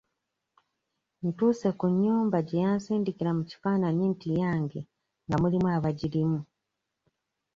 Ntuuse ku nnyumba gye yansindikra mu kifaananyi nti yange nga mulimu abagirimu.